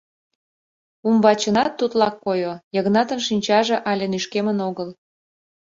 Умбачынат тудлак койо — Йыгнатын шинчаже але нӱшкемын огыл.